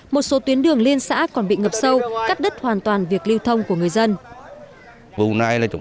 một số tuyến đường liên xã còn bị ngập sâu cắt đứt hoàn toàn việc lưu thông của người dân